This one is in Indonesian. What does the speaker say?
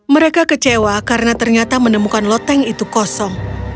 mereka kecewa karena ternyata menemukan loteng itu kosong